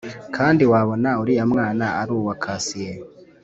Kandi wabona uriya mwana ari uwa Cassiye